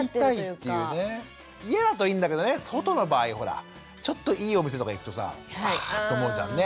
家だといいんだけどね外の場合ほらちょっといいお店とか行くとさハァって思うじゃん。ね？